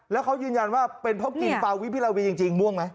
แล้วเขายืนยันว่าเป็นเพราะกินฟาวิพิลาวีจริงม่วงไหม